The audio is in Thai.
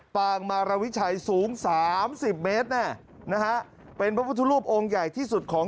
ปางมารวิชัยสูง๓๐เมตรแน่นะฮะเป็นพระพุทธรูปองค์ใหญ่ที่สุดของ